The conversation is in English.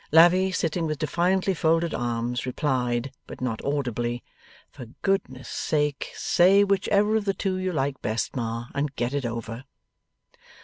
Lavvy, sitting with defiantly folded arms, replied (but not audibly), 'For goodness' sake say whichever of the two you like best, Ma, and get it over.